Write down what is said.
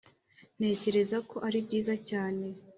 ntekereza ko ari byiza cyane.